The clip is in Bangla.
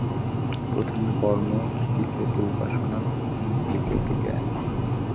প্রথমে কর্ম, দ্বিতীয়ত উপাসনা এবং তৃতীয়ত জ্ঞান।